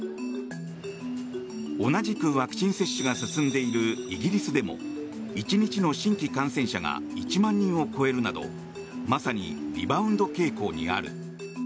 同じく、ワクチン接種が進んでいるイギリスでも１日の新規感染者が１万人を超えるなどまさにリバウンド傾向にある。